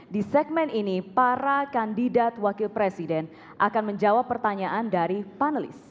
di segmen ini para kandidat wakil presiden akan menjawab pertanyaan dari panelis